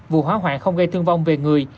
vụ hóa hoạn không gây thương vong về người